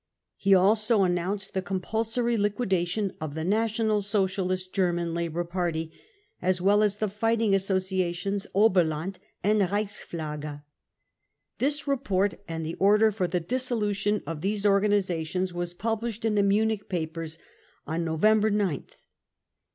He also announced the compulsory liquidation of the National Socialist German Labour Party as well as the fighting associations " Oberland " and " Reichsflagge, 9 ' This report and the order for the dissolution of these organisations were published in the Munich papers on November gth.